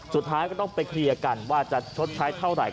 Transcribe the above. สุดท้ายก็ต้องไปเคลียร์กันว่าจะชดใช้เท่าไหร่